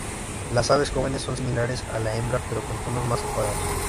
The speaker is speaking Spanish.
Las aves jóvenes son similares a la hembra pero con tonos más apagados.